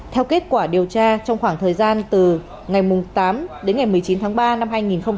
theo kết quả điều tra trong khoảng thời gian từ ngày tám đến ngày một mươi chín tháng ba năm hai nghìn hai mươi